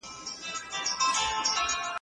ګلالۍ د میاشتې په پای کې د کور حساب تصفیه کاوه.